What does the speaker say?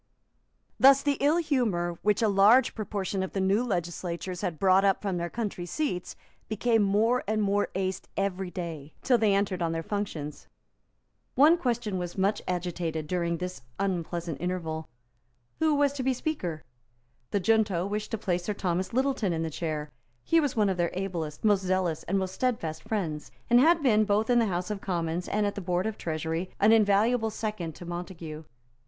Thus the ill humour which a large proportion of the new legislators had brought up from their country seats became more and more aced every day, till they entered on their functions. One question was much agitated during this unpleasant interval. Who was to be Speaker? The junto wished to place Sir Thomas Littleton in the chair. He was one of their ablest, most zealous and most steadfast friends; and had been, both in the House of Commons and at the Board of Treasury, an invaluable second to Montague.